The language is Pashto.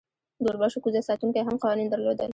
د اوربشو کوزه ساتونکی هم قوانین درلودل.